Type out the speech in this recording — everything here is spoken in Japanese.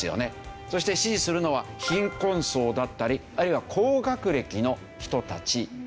そして支持するのは貧困層だったりあるいは高学歴の人たち。